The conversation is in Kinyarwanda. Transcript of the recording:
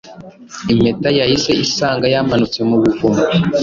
Impeta yahise isanga yamanutse mu buvumo